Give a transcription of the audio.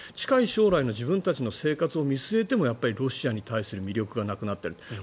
近い将来の自分たちの生活を見据えてもロシアに対する魅力がなくなると。